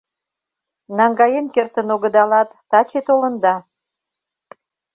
Наҥгаен кертын огыдалат, таче толында!